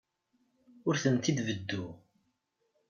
Ur tent-id-bedduɣ.